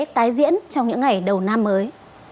tái diễn trong những ngày đầu năm mới